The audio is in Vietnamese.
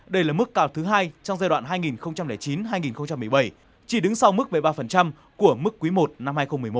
đây là mức cao thứ hai trong giai đoạn hai nghìn chín hai nghìn một mươi bảy chỉ đứng sau mức một mươi ba của mức quý i năm hai nghìn một mươi một